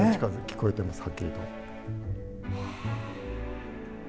聞こえてます、はっきりと。